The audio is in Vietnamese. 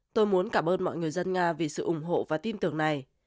tôi muốn cảm ơn mọi người dân nga vì sự ủng hộ và tin tưởng này